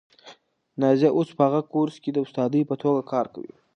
نازیه اوس په هغه کورس کې د استادې په توګه کار کوي.